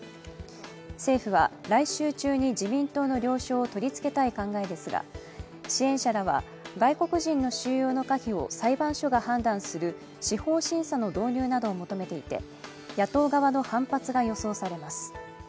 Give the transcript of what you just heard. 政府は来週中に自民党の了承を取り付けたい考えですが支援者らは外国人の収容の可否を裁判所が判断する司法審査の導入などを求めていて野党側の反発が予想されます。